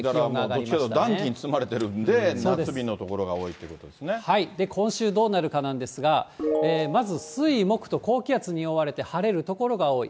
だからどっちかというと暖気に包まれているんで、夏日の所が今週どうなるかなんですが、まず水、木と、高気圧に覆われて晴れる所が多い。